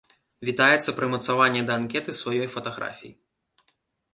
Вітаецца прымацаванне да анкеты сваёй фатаграфіі.